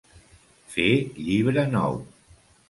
Fer llibre nou.